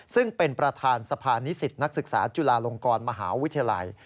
ซึ่งเป็นประธานสะพานนิสิตนักศึกษาจุฬาลงกรมหาวิทยาลัย